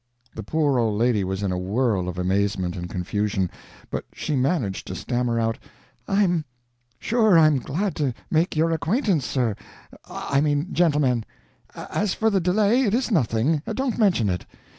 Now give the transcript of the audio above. The poor old lady was in a whirl of amazement and confusion, but she managed to stammer out: "I'm sure I'm glad to make your acquaintance, sir I mean, gentlemen. As for the delay, it is nothing, don't mention it.